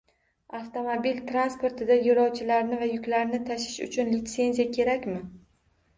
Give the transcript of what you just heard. Avtomobil transportida yo‘lovchilarni va yuklarni tashish uchun litsenziya kerakmi?